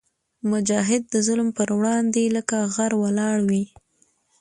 مجاهد د ظلم پر وړاندې لکه غر ولاړ وي.